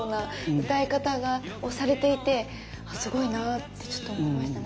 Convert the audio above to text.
歌い方がをされていてあすごいなってちょっと思いましたね。